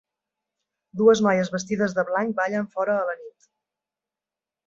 Dues noies vestides de blanc ballen fora a la nit.